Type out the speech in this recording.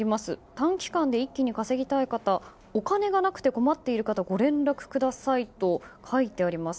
短期間で一気に稼ぎたい方お金がなくて困っている方ご連絡くださいと書いてあります。